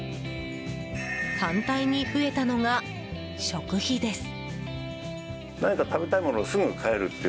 反対に増えたのが食費です。